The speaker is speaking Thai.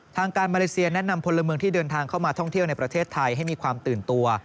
ทางการมาเลเซียแนะนำพลเมืองที่เดินทางเข้ามาท่องเที่ยวในประเทศไทยให้มีความตื่นตัว